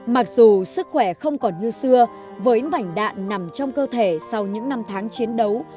mặc dù sức khỏe không còn như xưa với mảnh đạn nằm trong cơ thể sau những năm tháng chiến đấu